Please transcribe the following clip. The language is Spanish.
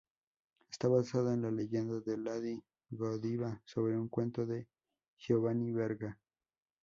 Está basada en la leyenda de Lady Godiva sobre un cuento de Giovanni Verga.